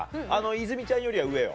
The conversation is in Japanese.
泉ちゃんよりは上よ。